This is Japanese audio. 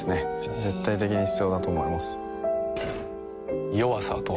絶対的に必要だと思います弱さとは？